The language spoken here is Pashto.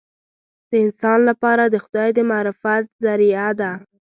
د انسان لپاره د خدای د معرفت ذریعه ده.